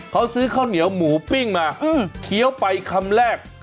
เขาซื้อข้าวเหนียวหมูปิ้งมาเคี้ยวไปคำแรก